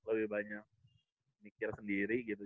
lebih banyak mikir sendiri gitu